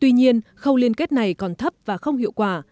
tuy nhiên khâu liên kết này còn thấp và không hiệu quả